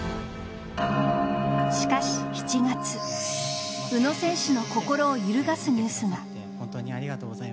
しかし７月、宇野選手の心を揺るがすニュースが。